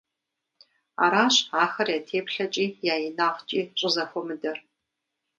Аращ ахэр я теплъэкIи я инагъкIи щIызэхуэмыдэр.